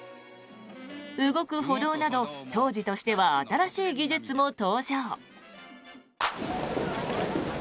動く歩道など当時としては新しい技術も登場。